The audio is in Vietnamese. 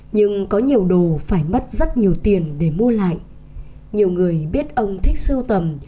nhưng có nhiều đồ phải mất rất nhiều tiền để mua lại nhiều người biết ông thích sưu tầm